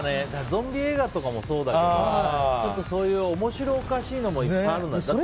ゾンビ映画とかもそうだけどそういう面白おかしいのもいっぱいあるんだね。